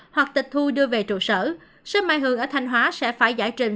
hoặc tịch thu đưa về trụ sở sếp mai hường ở thành hóa sẽ phải giải trình